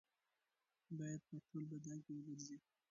باید په ټول بدن کې وګرځي.